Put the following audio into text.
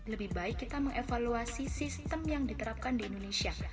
lebih baik kita mengevaluasi sistem yang diterapkan di indonesia